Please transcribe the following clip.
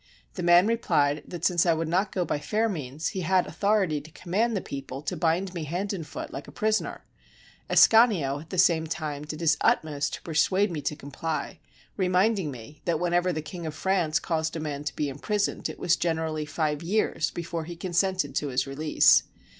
The man replied that, since I would not go by fair means, he had authority to command the people to bind me hand and foot Hke a prisoner. As canio at the same time did his utmost to persuade me to comply, reminding me that whenever the King of France caused a man to be imprisoned, it was generally five years before he consented to his release.